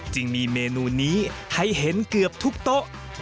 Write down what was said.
จึงมีเมนูนี้ให้เห็นเกือบทุกโต๊ะ